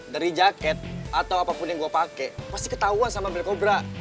dari jaket atau apapun yang gue pake pasti ketauan sama black cobra